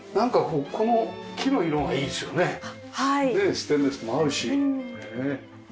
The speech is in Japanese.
ステンレスもあるし。